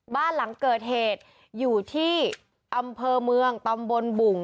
บ้านหลังเกิดเหตุอยู่ที่อำเภอเมืองตำบลบุ่ง